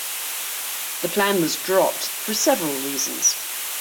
The plan was dropped for several reasons.